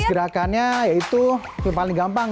gerakannya yaitu yang paling gampang